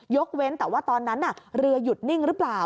เว้นแต่ว่าตอนนั้นเรือหยุดนิ่งหรือเปล่า